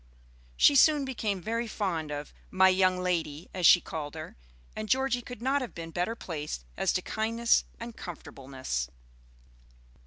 She soon became very fond of "my young lady," as she called her, and Georgie could not have been better placed as to kindness and comfortableness.